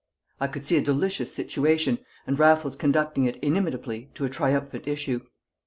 I could see a delicious situation, and Raffles conducting it inimitably to a triumphant issue.